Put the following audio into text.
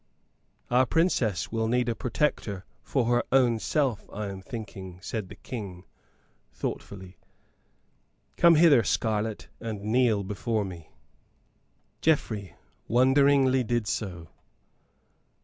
"Our Princess will need a protector for her own self, I am thinking," said the King, thoughtfully. "Come hither, Scarlett, and kneel before me!" Geoffrey wonderingly did so.